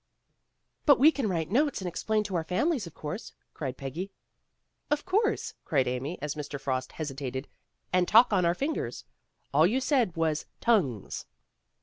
"But we can write notes and explain to our families, of course, '' cried Peggy. "Of course," cried Amy, as Mr. Frost hesi tated. "And talk on our fingers. All you said was tongues."